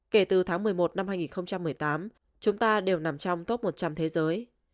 kể từ tháng một mươi một năm hai nghìn một mươi tám chúng ta đều nằm trong top một trăm linh thế giới